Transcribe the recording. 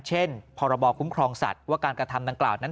เช่นพรบคุ้มครองสัตว์ว่าการกระทำดังกล่าวนั้น